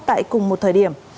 tại cùng một thời điểm